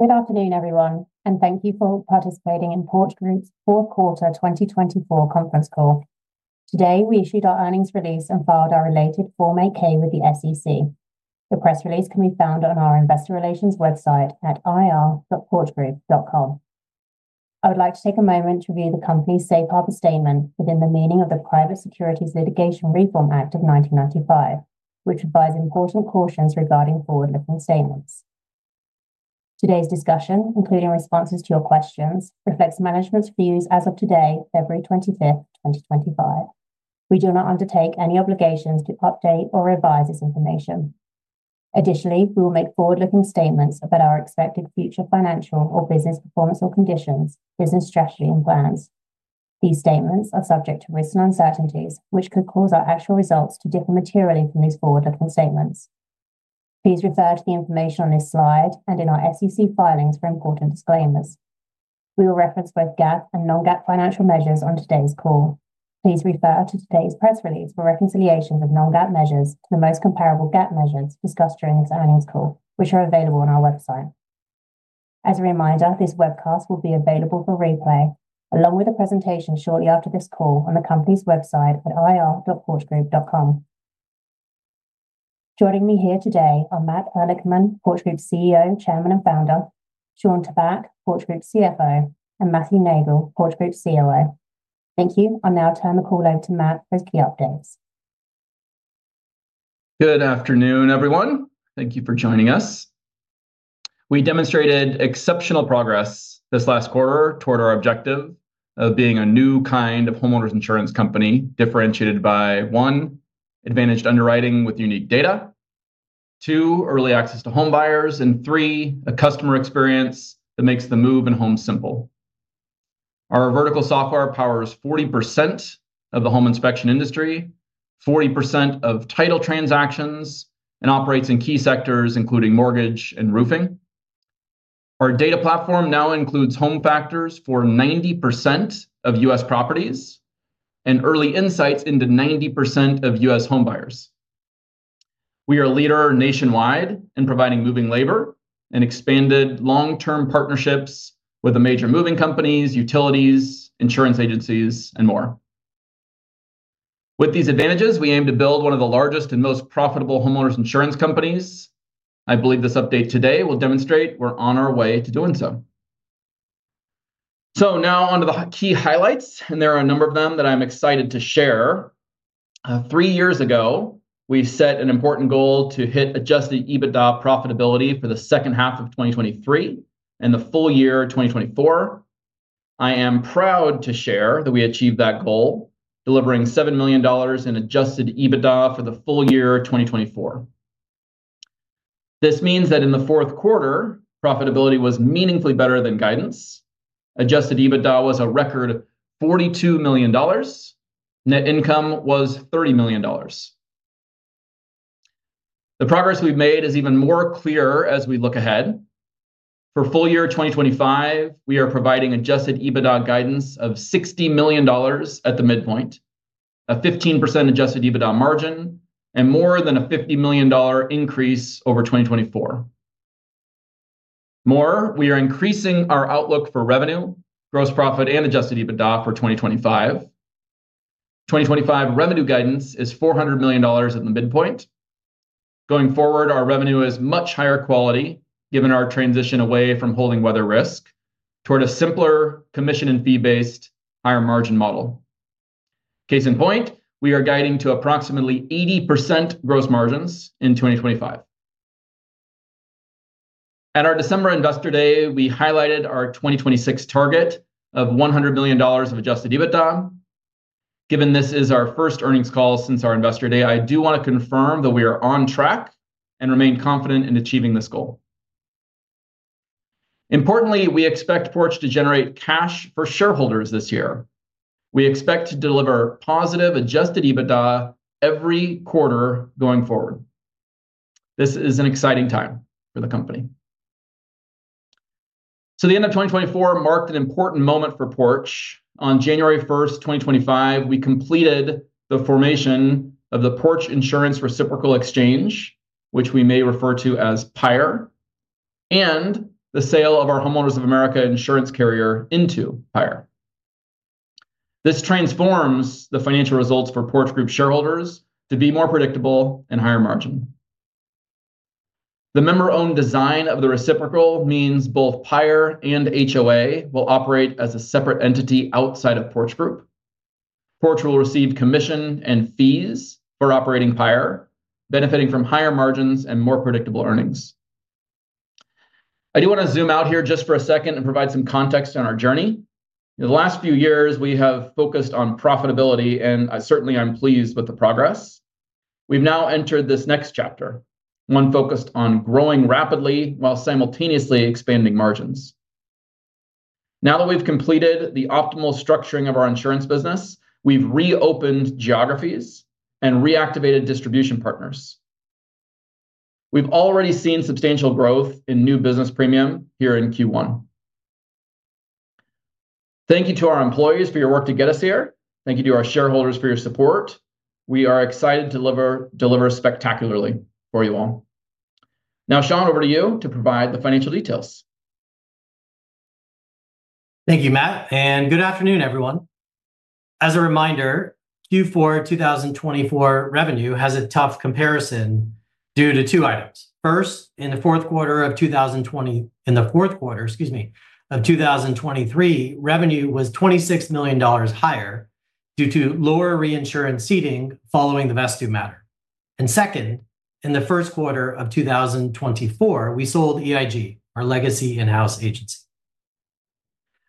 Good afternoon, everyone, and thank you for participating in Porch Group's Fourth Quarter 2024 conference call. Today, we issued our earnings release and filed our related Form 8-K with the SEC. The press release can be found on our Investor Relations website at ir.porchgroup.com. I would like to take a moment to review the company's safe harbor statement within the meaning of the Private Securities Litigation Reform Act of 1995, which advises important cautions regarding forward-looking statements. Today's discussion, including responses to your questions, reflects management's views as of today, February 25, 2025. We do not undertake any obligations to update or revise this information. Additionally, we will make forward-looking statements about our expected future financial or business performance or conditions, business strategy, and plans. These statements are subject to risks and uncertainties, which could cause our actual results to differ materially from these forward-looking statements. Please refer to the information on this slide and in our SEC filings for important disclaimers. We will reference both GAAP and non-GAAP financial measures on today's call. Please refer to today's press release for reconciliation with non-GAAP measures to the most comparable GAAP measures discussed during this earnings call, which are available on our website. As a reminder, this webcast will be available for replay, along with a presentation shortly after this call on the company's website at ir.porchgroup.com. Joining me here today are Matt Ehrlichman, Porch Group CEO, Chairman and Founder, Shawn Tabak, Porch Group CFO, and Matthew Neagle, Porch Group COO. Thank you. I'll now turn the call over to Matt for his key updates. Good afternoon, everyone. Thank you for joining us. We demonstrated exceptional progress this last quarter toward our objective of being a new kind of homeowners insurance company differentiated by, one, advantaged underwriting with unique data, two, early access to home buyers, and three, a customer experience that makes the move in homes simple. Our vertical software powers 40% of the home inspection industry, 40% of title transactions, and operates in key sectors including mortgage and roofing. Our data platform now includes Home Factors for 90% of U.S. properties and early insights into 90% of U.S. home buyers. We are a leader nationwide in providing moving labor and expanded long-term partnerships with major moving companies, utilities, insurance agencies, and more. With these advantages, we aim to build one of the largest and most profitable homeowners insurance companies. I believe this update today will demonstrate we're on our way to doing so. So now on to the key highlights, and there are a number of them that I'm excited to share. Three years ago, we set an important goal to hit Adjusted EBITDA profitability for the second half of 2023 and the full year 2024. I am proud to share that we achieved that goal, delivering $7 million in Adjusted EBITDA for the full year 2024. This means that in the fourth quarter, profitability was meaningfully better than guidance. Adjusted EBITDA was a record $42 million. Net income was $30 million. The progress we've made is even more clear as we look ahead. For full year 2025, we are providing Adjusted EBITDA guidance of $60 million at the midpoint, a 15% Adjusted EBITDA margin, and more than a $50 million increase over 2024. More, we are increasing our outlook for revenue, gross profit, and Adjusted EBITDA for 2025. 2025 revenue guidance is $400 million at the midpoint. Going forward, our revenue is much higher quality given our transition away from holding weather risk toward a simpler commission and fee-based higher margin model. Case in point, we are guiding to approximately 80% gross margins in 2025. At our December Investor Day, we highlighted our 2026 target of $100 million of adjusted EBITDA. Given this is our first earnings call since our Investor Day, I do want to confirm that we are on track and remain confident in achieving this goal. Importantly, we expect Porch to generate cash for shareholders this year. We expect to deliver positive adjusted EBITDA every quarter going forward. This is an exciting time for the company. So the end of 2024 marked an important moment for Porch. On January 1st, 2025, we completed the formation of the Porch Insurance Reciprocal Exchange, which we may refer to as PIRE, and the sale of our Homeowners of America insurance carrier into PIRE. This transforms the financial results for Porch Group shareholders to be more predictable and higher margin. The member-owned design of the reciprocal means both PIRE and HOA will operate as a separate entity outside of Porch Group. Porch will receive commission and fees for operating PIRE, benefiting from higher margins and more predictable earnings. I do want to zoom out here just for a second and provide some context on our journey. In the last few years, we have focused on profitability, and certainly, I'm pleased with the progress. We've now entered this next chapter, one focused on growing rapidly while simultaneously expanding margins. Now that we've completed the optimal structuring of our insurance business, we've reopened geographies and reactivated distribution partners. We've already seen substantial growth in new business premium here in Q1. Thank you to our employees for your work to get us here. Thank you to our shareholders for your support. We are excited to deliver spectacularly for you all. Now, Shawn, over to you to provide the financial details. Thank you, Matt. Good afternoon, everyone. As a reminder, Q4 2024 revenue has a tough comparison due to two items. First, in the fourth quarter of 2020, in the fourth quarter, excuse me, of 2023, revenue was $26 million higher due to lower reinsurance ceding following the Vesttoo matter. Second, in the first quarter of 2024, we sold EIG, our legacy in-house agency.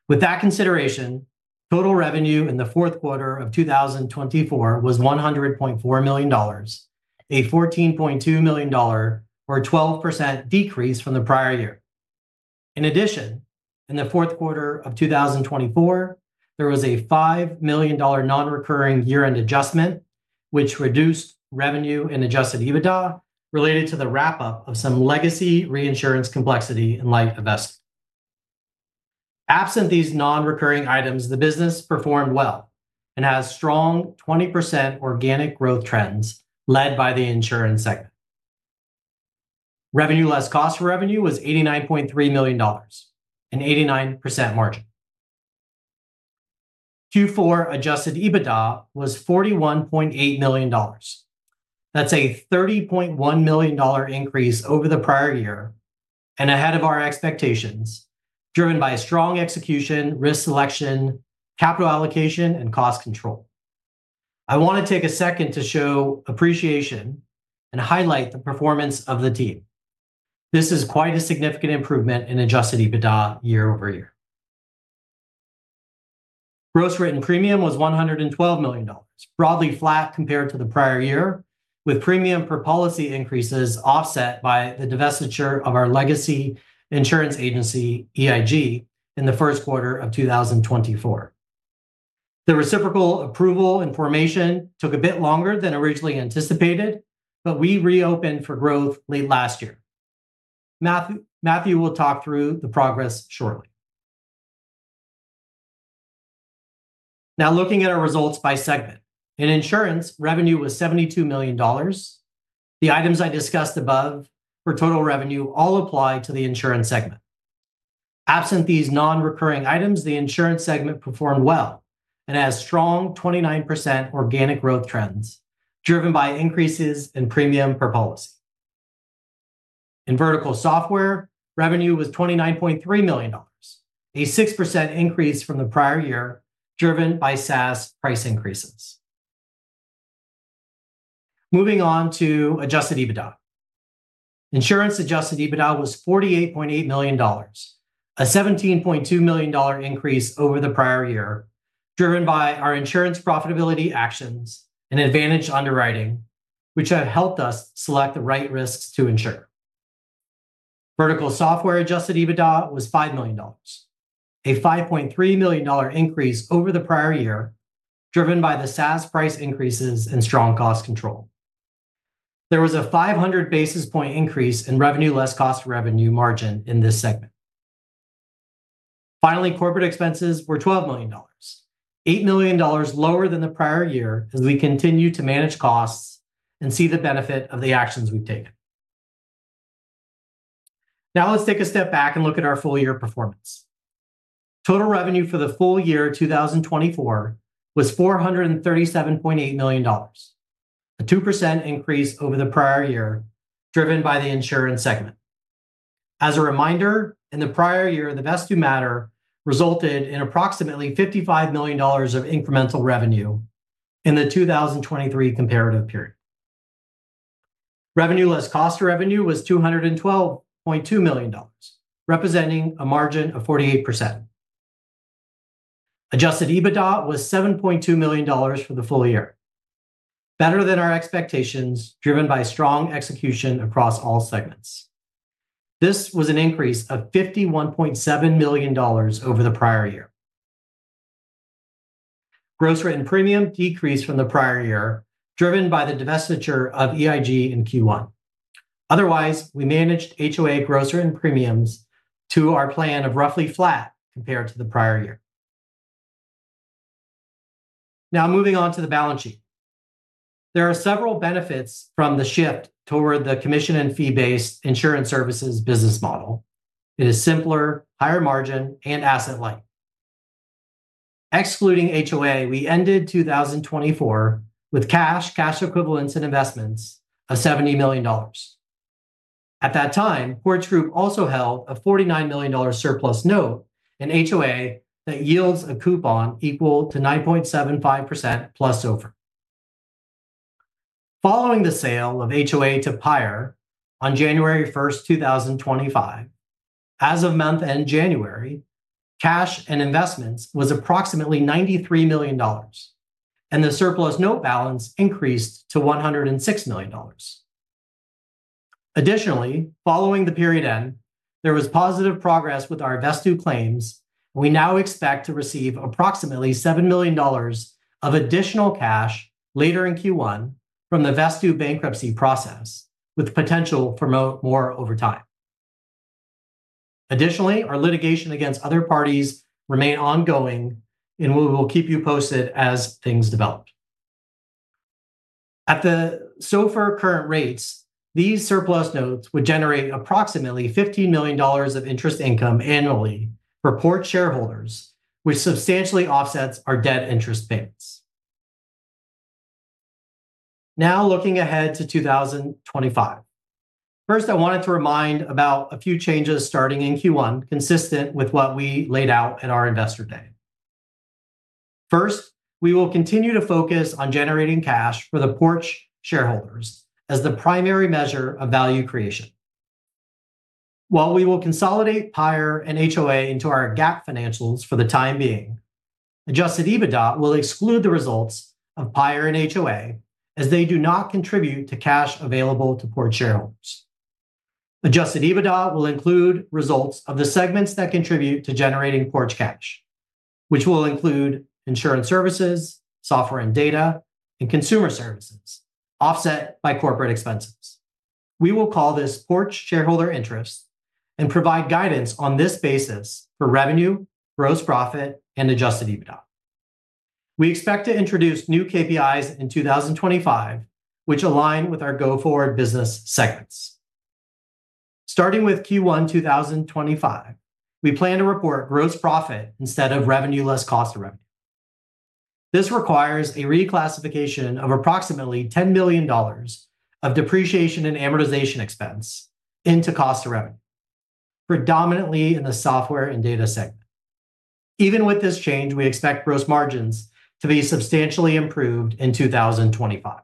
With that consideration, total revenue in the fourth quarter of 2024 was $100.4 million, a $14.2 million, or a 12% decrease from the prior year. In addition, in the fourth quarter of 2024, there was a $5 million non-recurring year-end adjustment, which reduced revenue and Adjusted EBITDA related to the wrap-up of some legacy reinsurance complexity in light of Vesttoo. Absent these non-recurring items, the business performed well and has strong 20% organic growth trends led by the insurance segment. Revenue less cost for revenue was $89.3 million, an 89% margin. Q4 Adjusted EBITDA was $41.8 million. That's a $30.1 million increase over the prior year and ahead of our expectations, driven by strong execution, risk selection, capital allocation, and cost control. I want to take a second to show appreciation and highlight the performance of the team. This is quite a significant improvement in Adjusted EBITDA year over year. Gross written premium was $112 million, broadly flat compared to the prior year, with premium per policy increases offset by the divestiture of our legacy insurance agency, EIG, in the first quarter of 2024. The reciprocal approval and formation took a bit longer than originally anticipated, but we reopened for growth late last year. Matthew will talk through the progress shortly. Now, looking at our results by segment, in insurance, revenue was $72 million. The items I discussed above for total revenue all apply to the insurance segment. Absent these non-recurring items, the insurance segment performed well and has strong 29% organic growth trends driven by increases in premium per policy. In vertical software, revenue was $29.3 million, a 6% increase from the prior year driven by SaaS price increases. Moving on to adjusted EBITDA. Insurance adjusted EBITDA was $48.8 million, a $17.2 million increase over the prior year driven by our insurance profitability actions and advantage underwriting, which have helped us select the right risks to insure. Vertical software adjusted EBITDA was $5 million, a $5.3 million increase over the prior year driven by the SaaS price increases and strong cost control. There was a 500 basis point increase in revenue less cost revenue margin in this segment. Finally, corporate expenses were $12 million, $8 million lower than the prior year as we continue to manage costs and see the benefit of the actions we've taken. Now, let's take a step back and look at our full year performance. Total revenue for the full year 2024 was $437.8 million, a 2% increase over the prior year driven by the insurance segment. As a reminder, in the prior year, the Vesttoo matter resulted in approximately $55 million of incremental revenue in the 2023 comparative period. Revenue less cost revenue was $212.2 million, representing a margin of 48%. Adjusted EBITDA was $7.2 million for the full year, better than our expectations driven by strong execution across all segments. This was an increase of $51.7 million over the prior year. Gross written premium decreased from the prior year driven by the divestiture of EIG in Q1. Otherwise, we managed HOA gross written premiums to our plan of roughly flat compared to the prior year. Now, moving on to the balance sheet. There are several benefits from the shift toward the commission and fee-based insurance services business model. It is simpler, higher margin, and asset-light. Excluding HOA, we ended 2024 with cash, cash equivalents, and investments of $70 million. At that time, Porch Group also held a $49 million surplus note in HOA that yields a coupon equal to 9.75% plus over. Following the sale of HOA to PIRE on January 1, 2025, as of month end January, cash and investments was approximately $93 million, and the surplus note balance increased to $106 million. Additionally, following the period end, there was positive progress with our Vesttoo claims, and we now expect to receive approximately $7 million of additional cash later in Q1 from the Vesttoo bankruptcy process, with potential for more over time. Additionally, our litigation against other parties remains ongoing, and we will keep you posted as things develop. At the so far current rates, these surplus notes would generate approximately $15 million of interest income annually for Porch shareholders, which substantially offsets our debt interest payments. Now, looking ahead to 2025, first, I wanted to remind about a few changes starting in Q1 consistent with what we laid out at our Investor Day. First, we will continue to focus on generating cash for the Porch shareholders as the primary measure of value creation. While we will consolidate PIRE and HOA into our GAAP financials for the time being, adjusted EBITDA will exclude the results of PIRE and HOA as they do not contribute to cash available to Porch shareholders. Adjusted EBITDA will include results of the segments that contribute to generating Porch cash, which will include insurance services, software and data, and consumer services offset by corporate expenses. We will call this Porch shareholder interest and provide guidance on this basis for revenue, gross profit, and adjusted EBITDA. We expect to introduce new KPIs in 2025, which align with our go-forward business segments. Starting with Q1 2025, we plan to report gross profit instead of revenue less cost of revenue. This requires a reclassification of approximately $10 million of depreciation and amortization expense into cost of revenue, predominantly in the software and data segment. Even with this change, we expect gross margins to be substantially improved in 2025.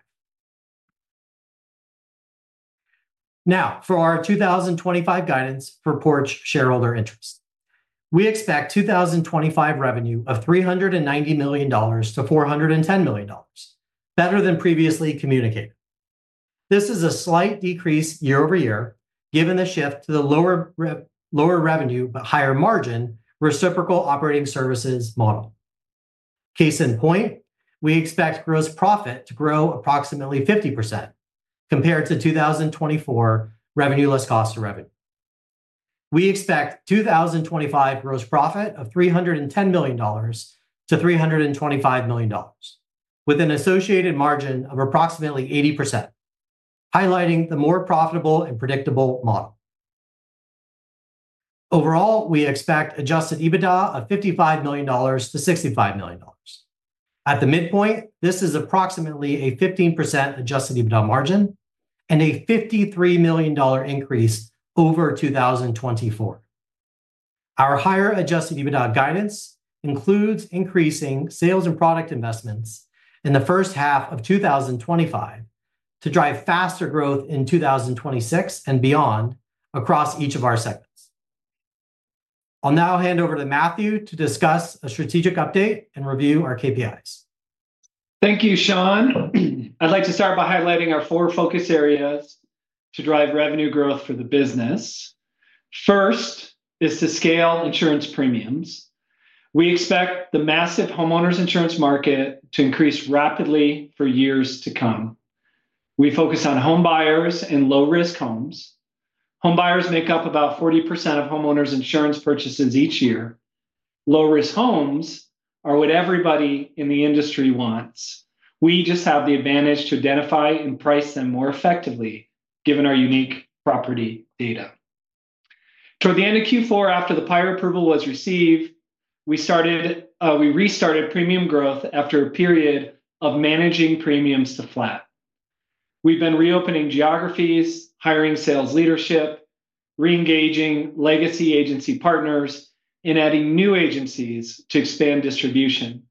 Now, for our 2025 guidance for Porch shareholder interest. We expect 2025 revenue of $390 million-$410 million, better than previously communicated. This is a slight decrease year over year given the shift to the lower revenue but higher margin reciprocal operating services model. Case in point, we expect gross profit to grow approximately 50% compared to 2024 revenue less cost of revenue. We expect 2025 gross profit of $310-$325 million, with an associated margin of approximately 80%, highlighting the more profitable and predictable model. Overall, we expect Adjusted EBITDA of $55 million-$65 million. At the midpoint, this is approximately a 15% Adjusted EBITDA margin and a $53 million increase over 2024. Our higher Adjusted EBITDA guidance includes increasing sales and product investments in the first half of 2025 to drive faster growth in 2026 and beyond across each of our segments. I'll now hand over to Matthew to discuss a strategic update and review our KPIs. Thank you, Shawn. I'd like to start by highlighting our four focus areas to drive revenue growth for the business. First is to scale insurance premiums. We expect the massive homeowners insurance market to increase rapidly for years to come. We focus on home buyers and low-risk homes. Home buyers make up about 40% of homeowners insurance purchases each year. Low-risk homes are what everybody in the industry wants. We just have the advantage to identify and price them more effectively given our unique property data. Toward the end of Q4, after the PIRE approval was received, we restarted premium growth after a period of managing premiums to flat. We've been reopening geographies, hiring sales leadership, reengaging legacy agency partners, and adding new agencies to expand distribution.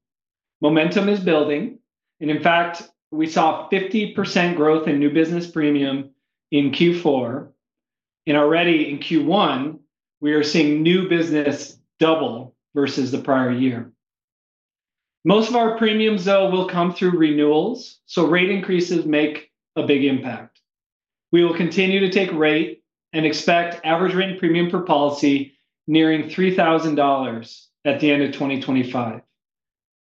Momentum is building, and in fact, we saw 50% growth in new business premium in Q4. Already in Q1, we are seeing new business double versus the prior year. Most of our premiums, though, will come through renewals, so rate increases make a big impact. We will continue to take rate and expect average rate and premium per policy nearing $3,000 at the end of 2025,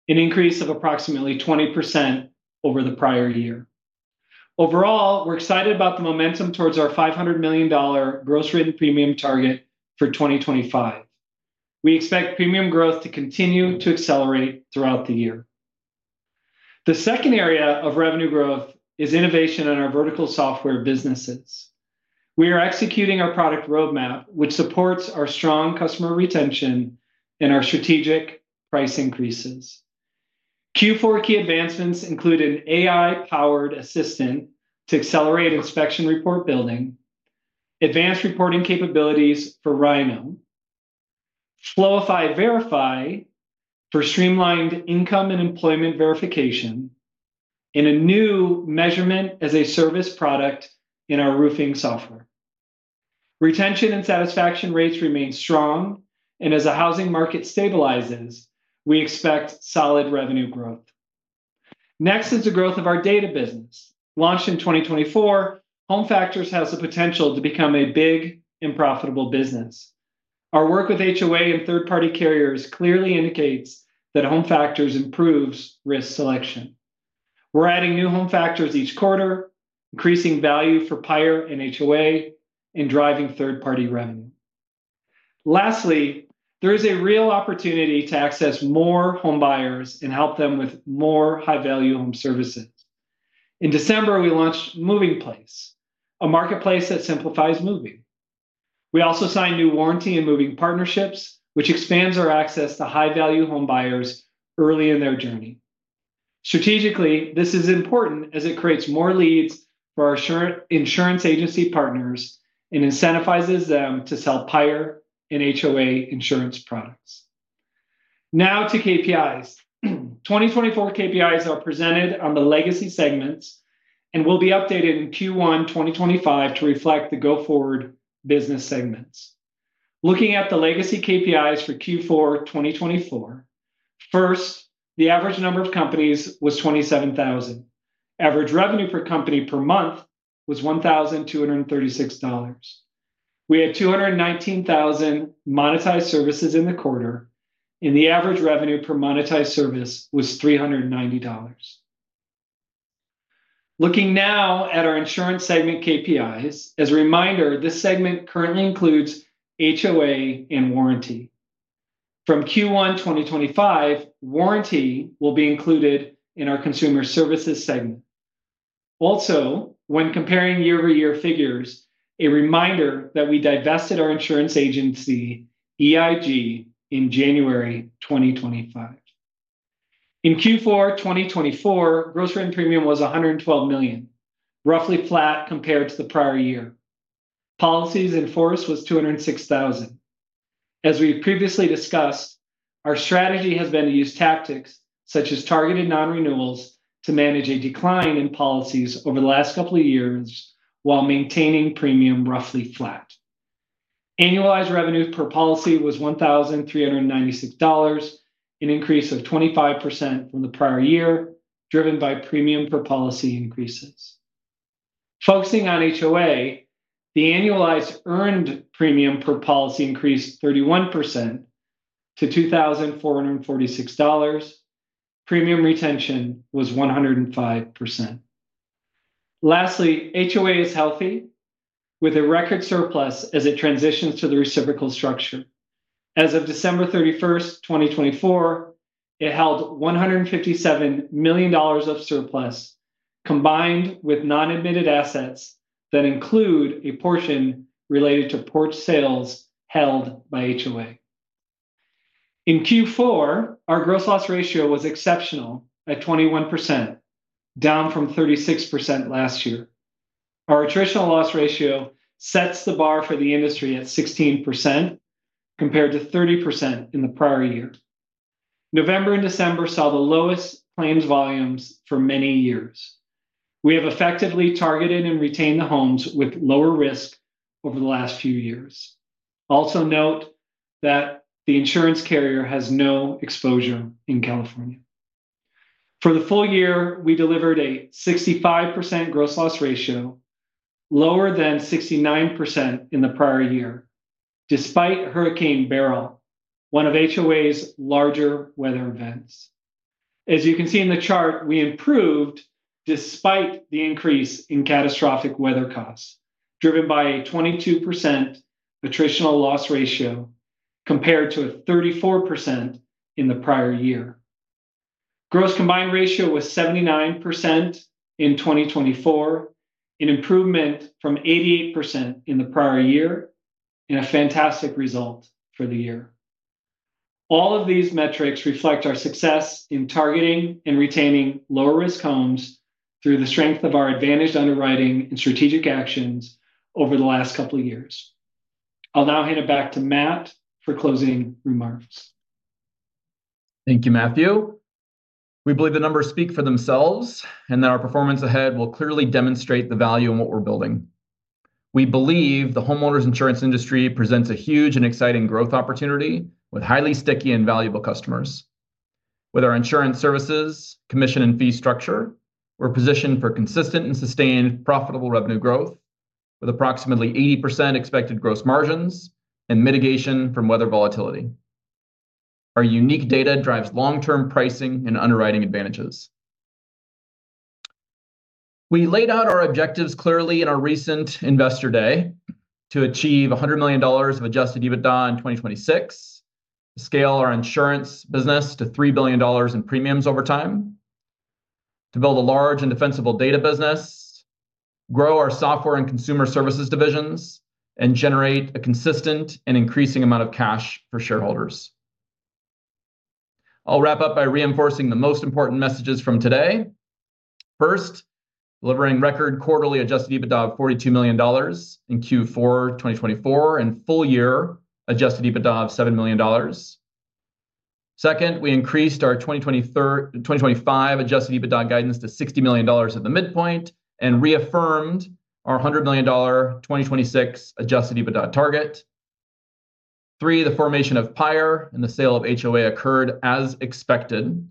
an increase of approximately 20% over the prior year. Overall, we're excited about the momentum towards our $500 million gross rate and premium target for 2025. We expect premium growth to continue to accelerate throughout the year. The second area of revenue growth is innovation in our vertical software businesses. We are executing our product roadmap, which supports our strong customer retention and our strategic price increases. Q4 key advancements include an AI-powered assistant to accelerate inspection report building, advanced reporting capabilities for Rhino, Floify Verify for streamlined income and employment verification, and a new Measurement as a Service product in our roofing software. Retention and satisfaction rates remain strong, and as the housing market stabilizes, we expect solid revenue growth. Next is the growth of our data business. Launched in 2024, Home Factors has the potential to become a big and profitable business. Our work with HOA and third-party carriers clearly indicates that Home Factors improves risk selection. We're adding new Home Factors each quarter, increasing value for PIRE and HOA, and driving third-party revenue. Lastly, there is a real opportunity to access more home buyers and help them with more high-value home services. In December, we launched MovingPlace, a marketplace that simplifies moving. We also signed new warranty and moving partnerships, which expands our access to high-value home buyers early in their journey. Strategically, this is important as it creates more leads for our insurance agency partners and incentivizes them to sell PIRE and HOA insurance products. Now to KPIs. 2024 KPIs are presented on the legacy segments and will be updated in Q1 2025 to reflect the go-forward business segments. Looking at the legacy KPIs for Q4 2024, first, the average number of companies was 27,000. Average revenue per company per month was $1,236. We had 219,000 monetized services in the quarter, and the average revenue per monetized service was $390. Looking now at our insurance segment KPIs, as a reminder, this segment currently includes HOA and warranty. From Q1 2025, warranty will be included in our consumer services segment. Also, when comparing year-over-year figures, a reminder that we divested our insurance agency, EIG, in January 2025. In Q4 2024, gross rate and premium was $112 million, roughly flat compared to the prior year. Policies in force was 206,000. As we previously discussed, our strategy has been to use tactics such as targeted non-renewals to manage a decline in policies over the last couple of years while maintaining premium roughly flat. Annualized revenue per policy was $1,396, an increase of 25% from the prior year driven by premium per policy increases. Focusing on HOA, the annualized earned premium per policy increased 31% to $2,446. Premium retention was 105%. Lastly, HOA is healthy with a record surplus as it transitions to the reciprocal structure. As of December 31, 2024, it held $157 million of surplus combined with non-admitted assets that include a portion related to Porch sales held by HOA. In Q4, our gross loss ratio was exceptional at 21%, down from 36% last year. Our attritional loss ratio sets the bar for the industry at 16% compared to 30% in the prior year. November and December saw the lowest claims volumes for many years. We have effectively targeted and retained the homes with lower risk over the last few years. Also note that the insurance carrier has no exposure in California. For the full year, we delivered a 65% gross loss ratio, lower than 69% in the prior year, despite Hurricane Beryl, one of HOA's larger weather events. As you can see in the chart, we improved despite the increase in catastrophic weather costs driven by a 22% attritional loss ratio compared to a 34% in the prior year. Gross combined ratio was 79% in 2024, an improvement from 88% in the prior year, and a fantastic result for the year. All of these metrics reflect our success in targeting and retaining lower-risk homes through the strength of our advantaged underwriting and strategic actions over the last couple of years. I'll now hand it back to Matt for closing remarks. Thank you, Matthew. We believe the numbers speak for themselves and that our performance ahead will clearly demonstrate the value in what we're building. We believe the homeowners insurance industry presents a huge and exciting growth opportunity with highly sticky and valuable customers. With our insurance services, commission, and fee structure, we're positioned for consistent and sustained profitable revenue growth with approximately 80% expected gross margins and mitigation from weather volatility. Our unique data drives long-term pricing and underwriting advantages. We laid out our objectives clearly in our recent Investor Day to achieve $100 million of Adjusted EBITDA in 2026, to scale our insurance business to $3 billion in premiums over time, to build a large and defensible data business, grow our software and consumer services divisions, and generate a consistent and increasing amount of cash for shareholders. I'll wrap up by reinforcing the most important messages from today. First, delivering record quarterly Adjusted EBITDA of $42 million in Q4 2024 and full-year Adjusted EBITDA of $7 million. Second, we increased our 2025 Adjusted EBITDA guidance to $60 million at the midpoint and reaffirmed our $100 million 2026 Adjusted EBITDA target. Three, the formation of PIRE and the sale of HOA occurred as expected.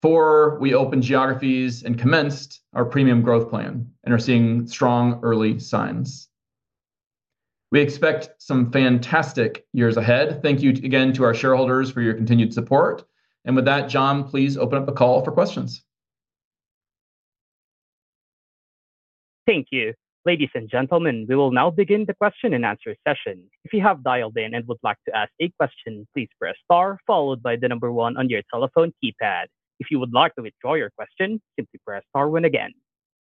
Four, we opened geographies and commenced our premium growth plan and are seeing strong early signs. We expect some fantastic years ahead. Thank you again to our shareholders for your continued support, and with that, John, please open up the call for questions. Thank you. Ladies and gentlemen, we will now begin the question and answer session. If you have dialed in and would like to ask a question, please press star followed by the number one on your telephone keypad. If you would like to withdraw your question, simply press star one again.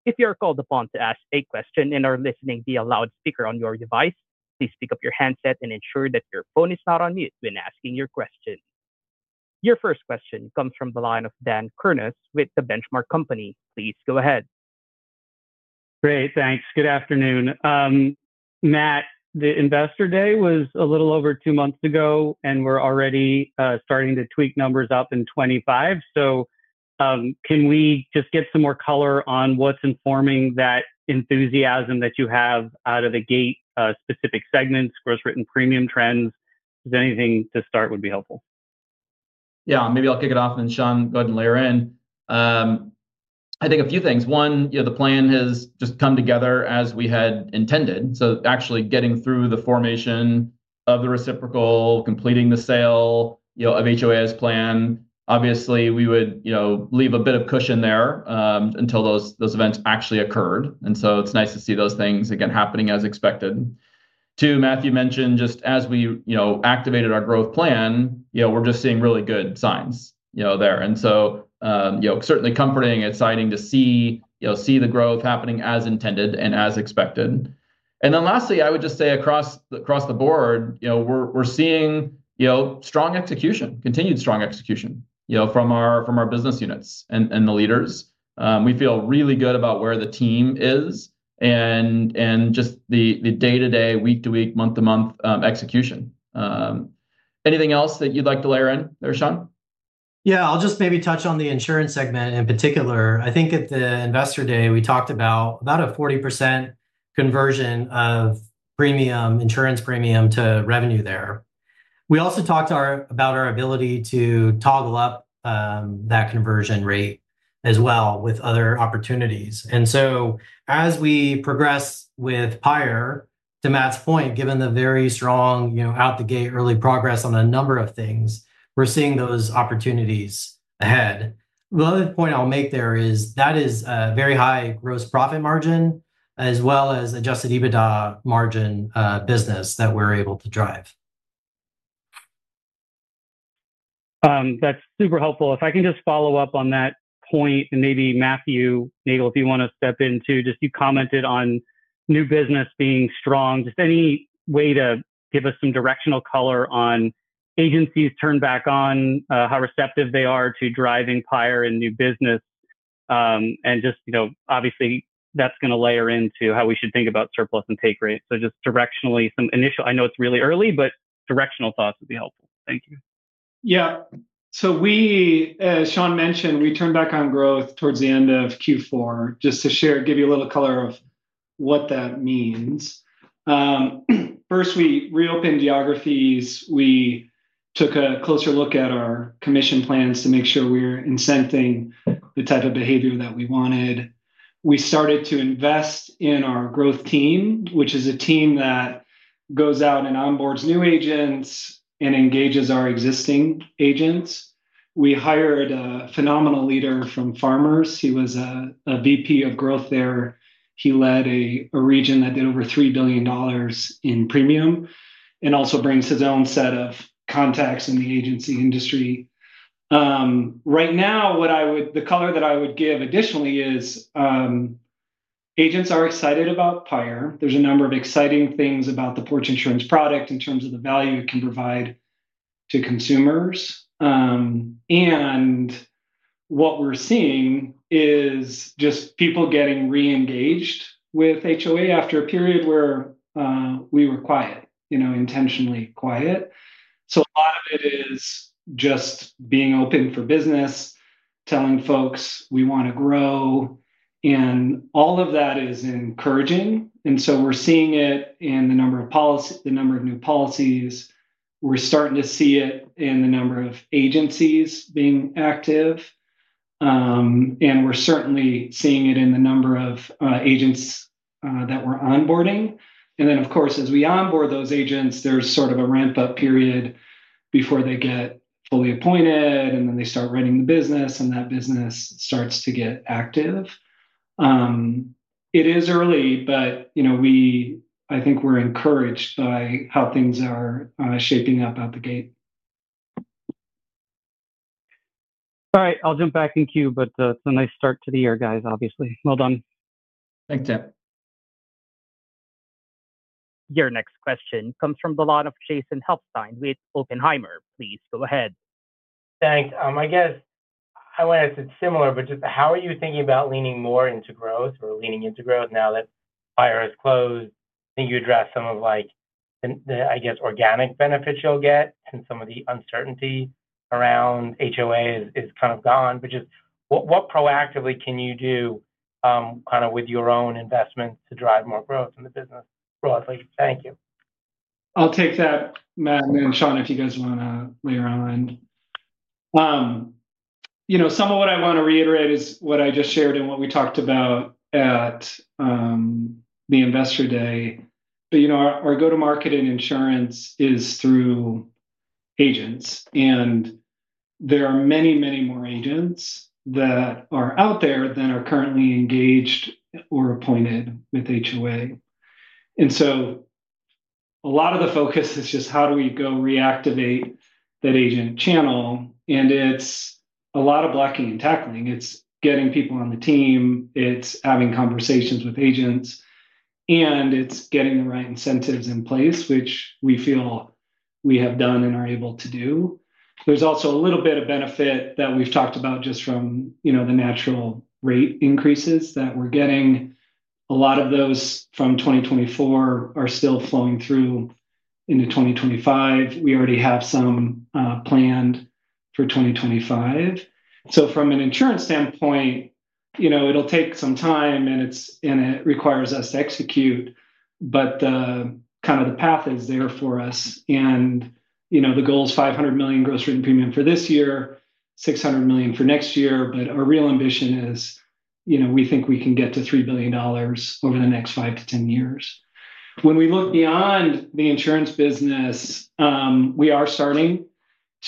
If you are called upon to ask a question and are listening via loudspeaker on your device, please pick up your handset and ensure that your phone is not on mute when asking your question. Your first question comes from the line of Dan Kurnos with The Benchmark Company. Please go ahead. Great. Thanks. Good afternoon. Matt, the Investor Day was a little over two months ago, and we're already starting to tweak numbers up in 2025. So can we just get some more color on what's informing that enthusiasm that you have out of the gate, specific segments, gross rate and premium trends? If there's anything to start, it would be helpful. Yeah, maybe I'll kick it off, and Shawn, go ahead and layer in. I think a few things. One, the plan has just come together as we had intended. So actually getting through the formation of the reciprocal, completing the sale of HOA's plan, obviously, we would leave a bit of cushion there until those events actually occurred. And so it's nice to see those things again happening as expected. Two, Matthew mentioned just as we activated our growth plan, we're just seeing really good signs there. And so certainly comforting and exciting to see the growth happening as intended and as expected. And then lastly, I would just say across the board, we're seeing strong execution, continued strong execution from our business units and the leaders. We feel really good about where the team is and just the day-to-day, week-to-week, month-to-month execution. Anything else that you'd like to layer in there, Shawn? Yeah, I'll just maybe touch on the insurance segment in particular. I think at the Investor Day, we talked about a 40% conversion of insurance premium to revenue there. We also talked about our ability to toggle up that conversion rate as well with other opportunities. And so as we progress with PIRE, to Matt's point, given the very strong out of the gate early progress on a number of things, we're seeing those opportunities ahead. The other point I'll make there is that is a very high gross profit margin as well as adjusted EBITDA margin business that we're able to drive. That's super helpful. If I can just follow up on that point, and maybe Matthew Neagle, if you want to step in too, just you commented on new business being strong. Just any way to give us some directional color on agencies turned back on, how receptive they are to driving PIRE and new business. And just obviously, that's going to layer into how we should think about surplus and take rate. So just directionally, some initial, I know it's really early, but directional thoughts would be helpful. Thank you. Yeah. So we, as Shawn mentioned, we turned back on growth towards the end of Q4. Just to share, give you a little color of what that means. First, we reopened geographies. We took a closer look at our commission plans to make sure we're incenting the type of behavior that we wanted. We started to invest in our growth team, which is a team that goes out and onboards new agents and engages our existing agents. We hired a phenomenal leader from Farmers. He was a VP of growth there. He led a region that did over $3 billion in premium and also brings his own set of contacts in the agency industry. Right now, the color that I would give additionally is agents are excited about PIRE. There's a number of exciting things about the Porch Insurance product in terms of the value it can provide to consumers. And what we're seeing is just people getting re-engaged with HOA after a period where we were quiet, intentionally quiet. So a lot of it is just being open for business, telling folks we want to grow. And all of that is encouraging. And so we're seeing it in the number of policies, the number of new policies. We're starting to see it in the number of agencies being active. And we're certainly seeing it in the number of agents that we're onboarding. And then, of course, as we onboard those agents, there's sort of a ramp-up period before they get fully appointed, and then they start running the business, and that business starts to get active. It is early, but I think we're encouraged by how things are shaping up out the gate. All right. I'll jump back in queue, but it's a nice start to the year, guys, obviously. Well done. Thanks, Dan. Your next question comes from the line of Jason Helfstein with Oppenheimer. Please go ahead. Thanks. I guess I want to ask it similar, but just how are you thinking about leaning more into growth or leaning into growth now that PIRE has closed? I think you addressed some of the, I guess, organic benefits you'll get and some of the uncertainty around HOA is kind of gone. But just what proactively can you do kind of with your own investments to drive more growth in the business broadly? Thank you. I'll take that, Matt and Shawn, if you guys want to layer on. Some of what I want to reiterate is what I just shared and what we talked about at the Investor Day. But our go-to-market in insurance is through agents. And there are many, many more agents that are out there than are currently engaged or appointed with HOA. And so a lot of the focus is just how do we go reactivate that agent channel. And it's a lot of blocking and tackling. It's getting people on the team. It's having conversations with agents. And it's getting the right incentives in place, which we feel we have done and are able to do. There's also a little bit of benefit that we've talked about just from the natural rate increases that we're getting. A lot of those from 2024 are still flowing through into 2025. We already have some planned for 2025. So from an insurance standpoint, it'll take some time, and it requires us to execute. But kind of the path is there for us. And the goal is $500 million gross written premium for this year, $600 million for next year. But our real ambition is we think we can get to $3 billion over the next 5-10 years. When we look beyond the insurance business, we are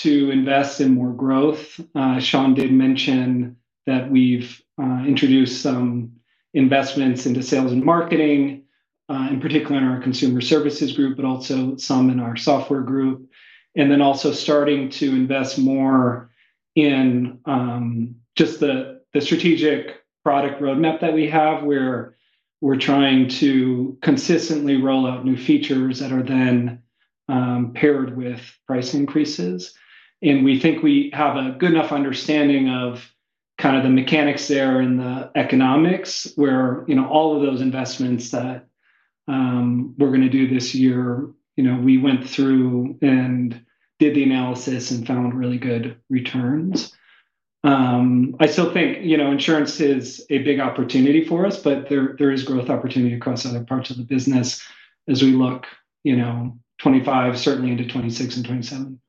starting to invest in more growth. Shawn did mention that we've introduced some investments into sales and marketing, in particular in our consumer services group, but also some in our software group. And then also starting to invest more in just the strategic product roadmap that we have where we're trying to consistently roll out new features that are then paired with price increases. We think we have a good enough understanding of kind of the mechanics there and the economics where all of those investments that we're going to do this year, we went through and did the analysis and found really good returns. I still think insurance is a big opportunity for us, but there is growth opportunity across other parts of the business as we look 2025, certainly into 2026 and 2027.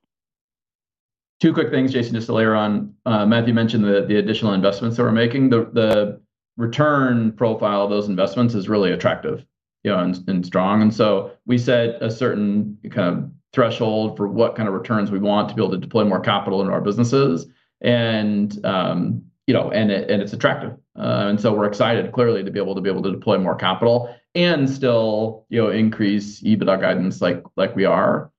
Two quick things, Jason, just to layer on. Matthew mentioned the additional investments that we're making. The return profile of those investments is really attractive and strong. And so we set a certain kind of threshold for what kind of returns we want to be able to deploy more capital into our businesses. And it's attractive. And so we're excited, clearly, to be able to deploy more capital and still increase EBITDA guidance like we are.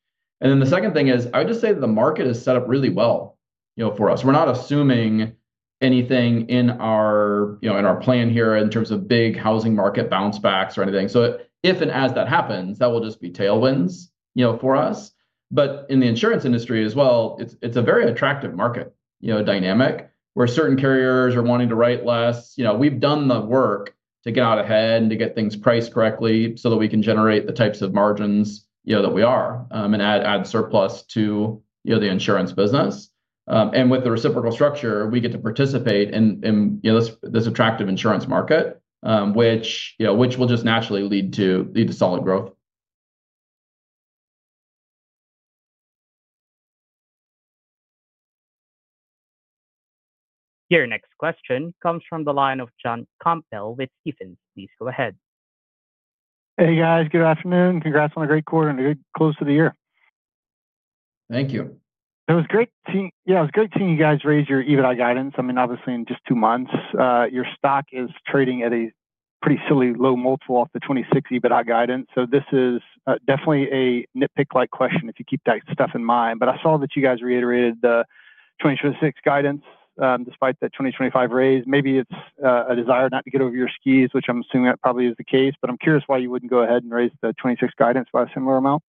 And then the second thing is I would just say that the market is set up really well for us. We're not assuming anything in our plan here in terms of big housing market bounce backs or anything. So if and as that happens, that will just be tailwinds for us. But in the insurance industry as well, it's a very attractive market dynamic where certain carriers are wanting to write less. We've done the work to get out ahead and to get things priced correctly so that we can generate the types of margins that we are and add surplus to the insurance business, and with the reciprocal structure, we get to participate in this attractive insurance market, which will just naturally lead to solid growth. Your next question comes from the line of John Campbell with Stephens. Please go ahead. Hey, guys. Good afternoon. Congrats on a great quarter and a good close to the year. Thank you. It was great to see you guys raise your EBITDA guidance. I mean, obviously, in just two months, your stock is trading at a pretty silly low multiple off the 2026 EBITDA guidance. So this is definitely a nitpick-like question if you keep that stuff in mind. But I saw that you guys reiterated the 2026 guidance despite the 2025 raise. Maybe it's a desire not to get over your skis, which I'm assuming that probably is the case. But I'm curious why you wouldn't go ahead and raise the 2026 guidance by a similar amount.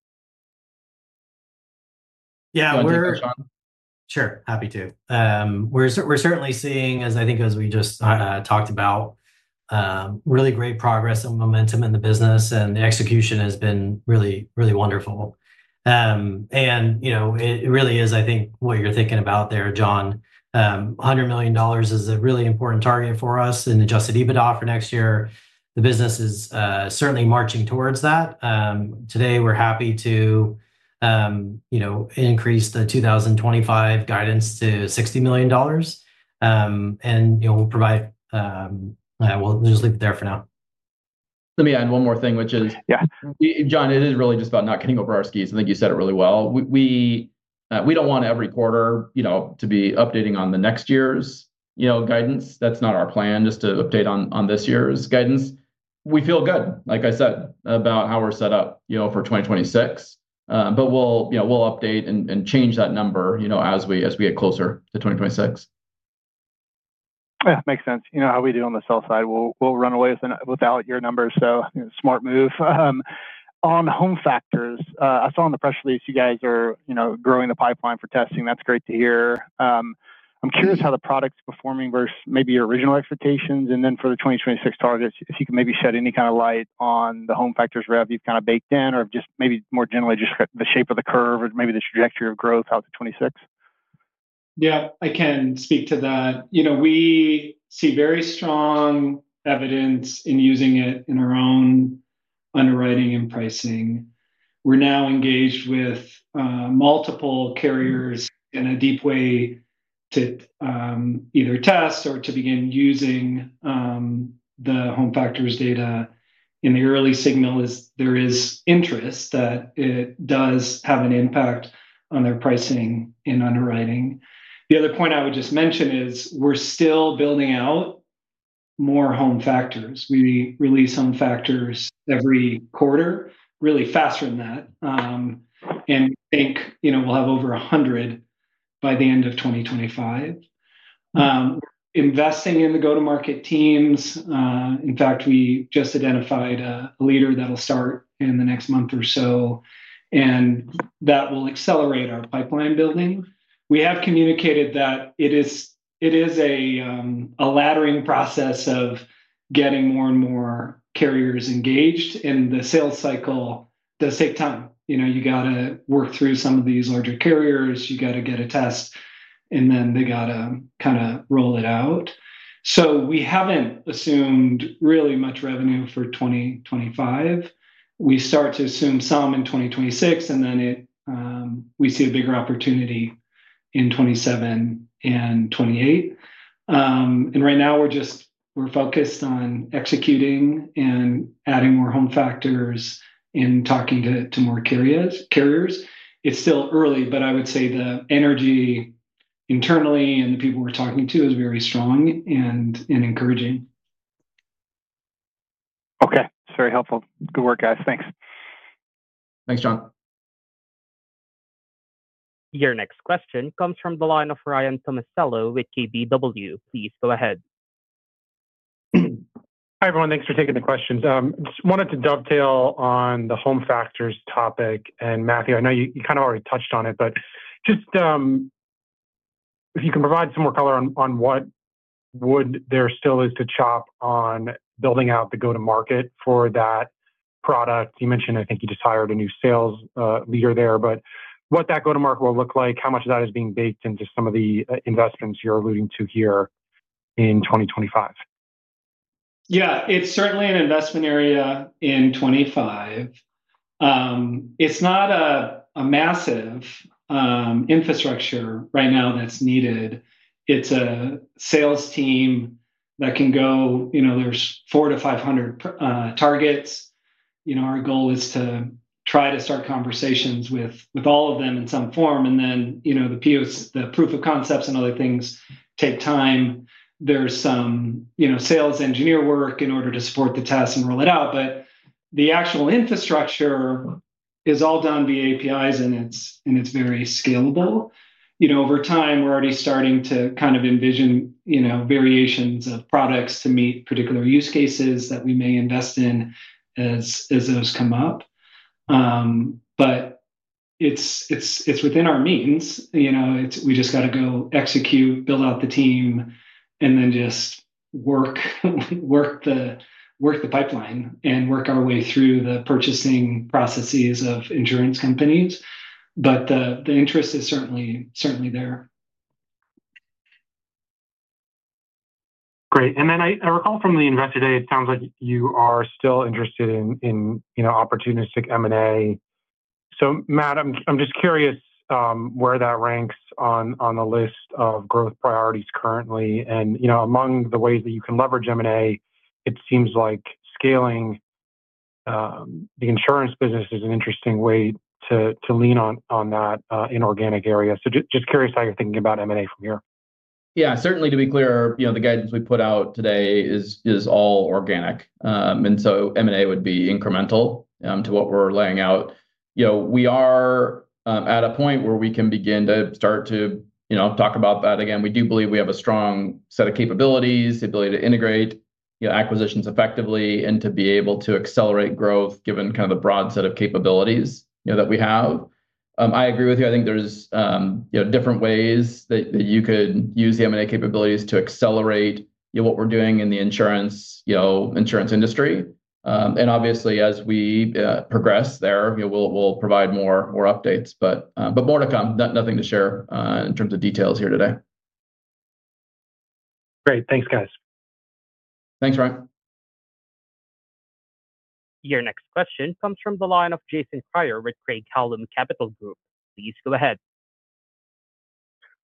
Yeah. Sure. Happy to. We're certainly seeing, as I think as we just talked about, really great progress and momentum in the business, and the execution has been really, really wonderful. It really is, I think, what you're thinking about there, John. $100 million is a really important target for us in Adjusted EBITDA for next year. The business is certainly marching towards that. Today, we're happy to increase the 2025 guidance to $60 million. We'll provide; we'll just leave it there for now. Let me add one more thing, which is, John, it is really just about not getting over our skis. I think you said it really well. We don't want every quarter to be updating on the next year's guidance. That's not our plan, just to update on this year's guidance. We feel good, like I said, about how we're set up for 2026. But we'll update and change that number as we get closer to 2026. Yeah. Makes sense. You know how we do on the sell side. We'll run away without your numbers. So smart move. On Home Factors, I saw in the press release you guys are growing the pipeline for testing. That's great to hear. I'm curious how the product's performing versus maybe your original expectations, and then for the 2026 targets, if you can maybe shed any kind of light on the Home Factors rev you've kind of baked in or just maybe more generally just the shape of the curve or maybe the trajectory of growth out to 26. Yeah. I can speak to that. We see very strong evidence in using it in our own underwriting and pricing. We're now engaged with multiple carriers in a deep way to either test or to begin using the HomeFactors data. And the early signal is there is interest that it does have an impact on their pricing and underwriting. The other point I would just mention is we're still building out more HomeFactors. We release HomeFactors every quarter, really faster than that. And we think we'll have over 100 by the end of 2025. We're investing in the go-to-market teams. In fact, we just identified a leader that'll start in the next month or so. And that will accelerate our pipeline building. We have communicated that it is a laddering process of getting more and more carriers engaged. And the sales cycle does take time. You got to work through some of these larger carriers. You got to get a test. And then they got to kind of roll it out. So we haven't assumed really much revenue for 2025. We start to assume some in 2026. And then we see a bigger opportunity in 2027 and 2028. And right now, we're just focused on executing and adding more HomeFactors and talking to more carriers. It's still early, but I would say the energy internally and the people we're talking to is very strong and encouraging. Okay. It's very helpful. Good work, guys. Thanks. Thanks, John. Your next question comes from the line of Ryan Tomasello with KBW. Please go ahead. Hi, everyone. Thanks for taking the questions. Just wanted to dovetail on the Home Factors topic, and Matthew, I know you kind of already touched on it, but just if you can provide some more color on what there still is to chop on building out the go-to-market for that product. You mentioned, I think you just hired a new sales leader there, but what that go-to-market will look like, how much of that is being baked into some of the investments you're alluding to here in 2025? Yeah. It's certainly an investment area in 2025. It's not a massive infrastructure right now that's needed. It's a sales team that can go. There's four to five hundred targets. Our goal is to try to start conversations with all of them in some form. And then the proof of concepts and other things take time. There's some sales engineer work in order to support the test and roll it out. But the actual infrastructure is all done via APIs, and it's very scalable. Over time, we're already starting to kind of envision variations of products to meet particular use cases that we may invest in as those come up. But it's within our means. We just got to go execute, build out the team, and then just work the pipeline and work our way through the purchasing processes of insurance companies. But the interest is certainly there. Great. And then I recall from the Investor Day, it sounds like you are still interested in opportunistic M&A. So, Matt, I'm just curious where that ranks on the list of growth priorities currently. And among the ways that you can leverage M&A, it seems like scaling the insurance business is an interesting way to lean on that inorganic area. So just curious how you're thinking about M&A from here. Yeah. Certainly, to be clear, the guidance we put out today is all organic. And so M&A would be incremental to what we're laying out. We are at a point where we can begin to start to talk about that again. We do believe we have a strong set of capabilities, the ability to integrate acquisitions effectively and to be able to accelerate growth given kind of the broad set of capabilities that we have. I agree with you. I think there's different ways that you could use the M&A capabilities to accelerate what we're doing in the insurance industry. And obviously, as we progress there, we'll provide more updates. But more to come. Nothing to share in terms of details here today. Great. Thanks, guys. Thanks, Ryan. Your next question comes from the line of Jason Kreyer with Craig-Hallum Capital Group. Please go ahead.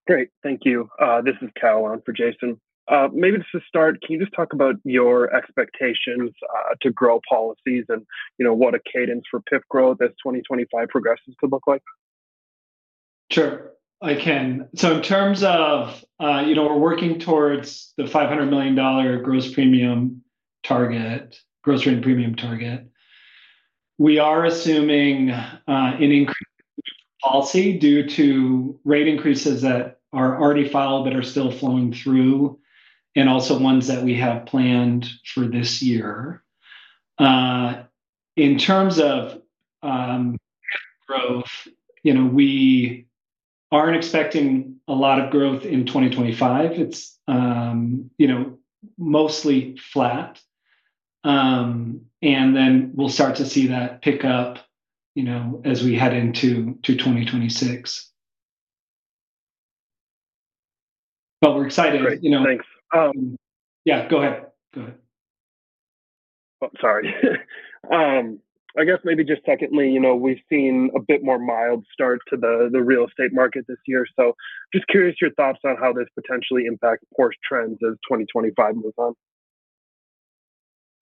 Great. Thank you. This is Callum for Jason. Maybe to start, can you just talk about your expectations to grow policies and what a cadence for PIRE growth as 2025 progresses could look like? Sure. I can. So in terms of we're working towards the $500 million gross premium target, gross rate and premium target. We are assuming an increase in policy due to rate increases that are already filed that are still flowing through and also ones that we have planned for this year. In terms of growth, we aren't expecting a lot of growth in 2025. It's mostly flat. And then we'll start to see that pick up as we head into 2026. But we're excited. Thanks. Yeah. Go ahead. Go ahead. Sorry. I guess maybe just secondly, we've seen a bit more mild start to the real estate market this year. So just curious your thoughts on how this potentially impacts Porch trends as 2025 moves on?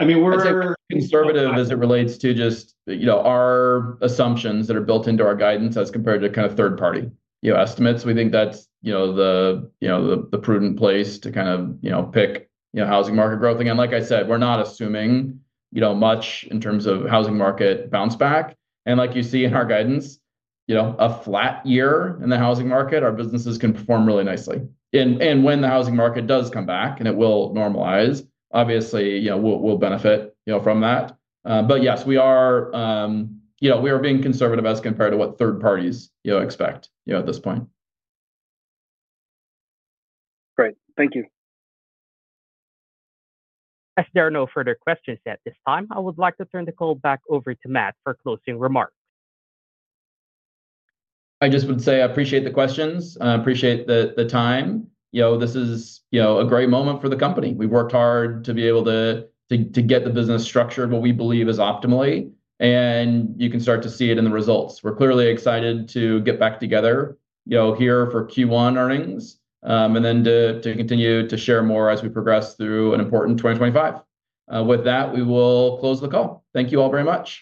I mean, we're conservative as it relates to just our assumptions that are built into our guidance as compared to kind of third-party estimates. We think that's the prudent place to kind of pick housing market growth. Again, like I said, we're not assuming much in terms of housing market bounce back. And like you see in our guidance, a flat year in the housing market, our businesses can perform really nicely. And when the housing market does come back and it will normalize, obviously, we'll benefit from that. But yes, we are being conservative as compared to what third parties expect at this point. Great. Thank you. As there are no further questions at this time, I would like to turn the call back over to Matt for closing remarks. I just would say I appreciate the questions. I appreciate the time. This is a great moment for the company. We've worked hard to be able to get the business structured what we believe is optimally, and you can start to see it in the results. We're clearly excited to get back together here for Q1 earnings and then to continue to share more as we progress through an important 2025. With that, we will close the call. Thank you all very much.